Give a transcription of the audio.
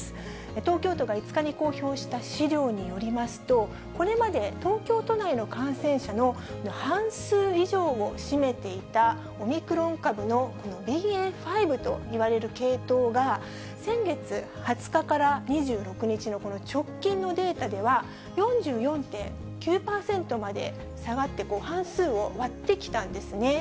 東京都が５日に公表した資料によりますと、これまで東京都内の感染者の半数以上を占めていたオミクロン株のＢＡ．５といわれる系統が、先月２０日から２６日のこの直近のデータでは、４４．９％まで下がって、半数を割ってきたんですね。